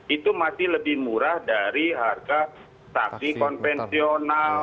itu masih lebih murah dari harga taksi konvensional